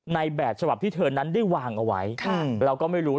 ในแบบฉบับที่เธอนั้นได้วางเอาไว้เราก็ไม่รู้